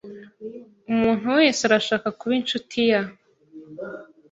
Umuntu wese arashaka kuba inshuti ya .